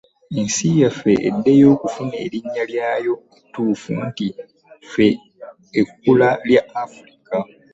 Ensi yaffe eddeyo okufuna erinnya lyayo ettuufu nti ffe ekkula ly' Afirika